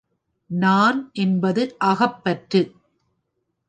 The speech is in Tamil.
நான் என்பது அகப்பற்று.